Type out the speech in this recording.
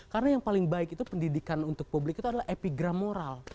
karena yang paling baik itu pendidikan untuk publik itu adalah epigram moral